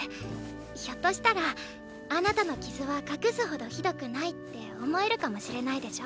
ひょっとしたらあなたの傷は隠すほどひどくないって思えるかもしれないでしょ？